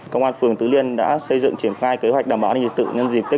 công an phường tứ liên đã xây dựng triển khai kế hoạch đảm bảo an ninh trật tự nhân dịp tết